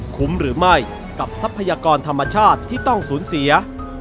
หรือไม่กับทรัพยากรธรรมชาติที่ต้องสูญเสีย